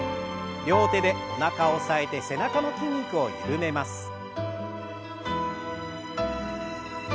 両手でおなかを押さえて背中の筋肉を緩めます。